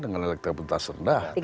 dengan elektabilitas rendah